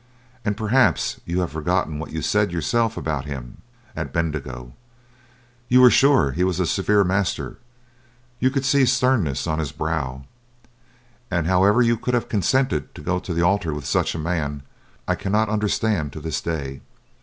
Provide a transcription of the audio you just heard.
And perhaps you have forgotten what you said yourself about him at Bendigo. You were sure he was a severe master, you could see sternness on his brow. And however you could have consented to go to the altar with such a man I cannot understand to this day.